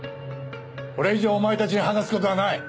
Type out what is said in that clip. これ以上お前たちに話す事はない！